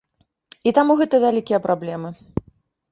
І таму гэта вялікія праблемы.